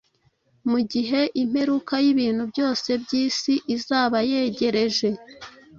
Mu gihe imperuka y’ibintu byose by’isi izaba yegereje,